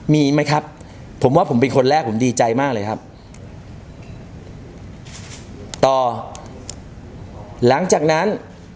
มีไหมครับผมว่าผมเป็นคนแรกผมดีใจมากเลยครับต่อหลังจากนั้น